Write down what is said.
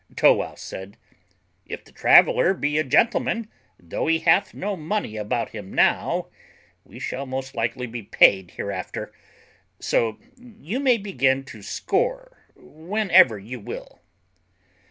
Tow wouse said, "If the traveller be a gentleman, though he hath no money about him now, we shall most likely be paid hereafter; so you may begin to score whenever you will."